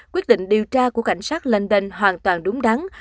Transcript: quyết định điều tra của cảnh sát london hoàn toàn đúng đắn